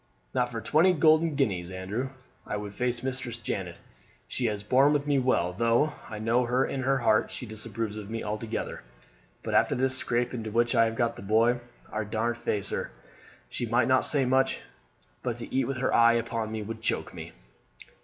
"Not for twenty golden guineas, Andrew, would I face Mistress Janet. She has borne with me well, though I know in her heart she disapproves of me altogether; but after this scrape into which I have got the boy I daren't face her. She might not say much, but to eat with her eye upon me would choke me."